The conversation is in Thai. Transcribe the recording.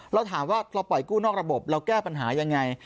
เราถามว่าเราปล่อยกู้นอกระบบเราแก้ปัญหายังไง